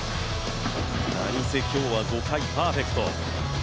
なにせ、今日は５回パーフェクト。